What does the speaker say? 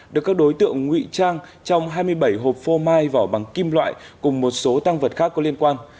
được các đối tượng ngụy trang trong hai mươi bảy hộp phô mai vỏ bằng kim loại cùng một số tăng vật khác có liên quan